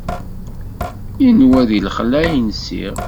Inwa di lexla ay nsiɣ.